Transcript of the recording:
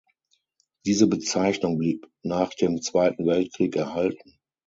Diese Bezeichnung blieb nach dem Zweiten Weltkrieg erhalten.